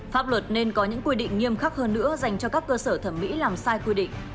pháp luật nên có những quy định nghiêm khắc hơn nữa dành cho các cơ sở thẩm mỹ làm sai quy định